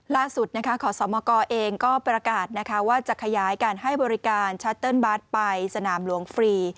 ขอสมกเองก็ประกาศว่าจะขยายการให้บริการชัตเติ้ลบัตรไปสนามหลวงฟรี